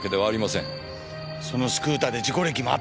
そのスクーターで事故歴もあった。